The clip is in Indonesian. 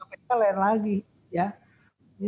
terdapat pimpinannya kemudian nyawar lagi ya